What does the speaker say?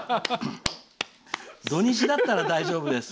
土日だったら大丈夫です。